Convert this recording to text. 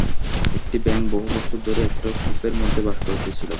একটি ব্যাঙ বহু বৎসর ধরিয়া একটি কূপের মধ্যে বাস করিতেছিল।